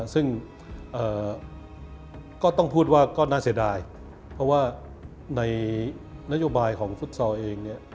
ซึ่งก็ต้องพูดว่าก็น่าเสียดายเพราะว่าในนโยบายของฟุตซอลเองเนี่ย